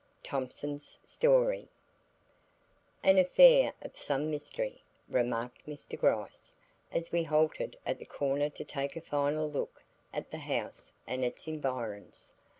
THOMPSON'S STORY "An affair of some mystery," remarked Mr. Gryce, as we halted at the corner to take a final look at the house and its environs.